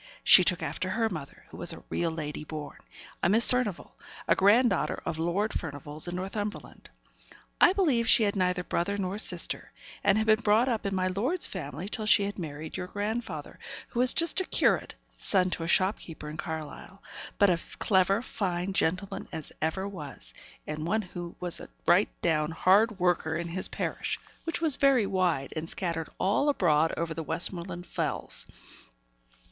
She took after her mother, who was a real lady born; a Miss Furnivall, a grand daughter of Lord Furnivall's, in Northumberland. I believe she had neither brother nor sister, and had been brought up in my lord's family till she had married your grandfather, who was just a curate, son to a shopkeeper in Carlisle but a clever, fine gentleman as ever was and one who was a right down hard worker in his parish, which was very wide, and scattered all abroad over the Westmoreland Fells.